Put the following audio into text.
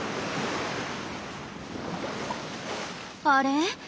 あれ？